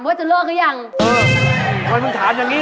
มันหย่ายักษ์